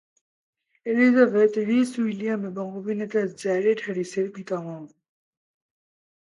Elizabeth Rees William এবং অভিনেতা Jared হ্যারিসের পিতামহ।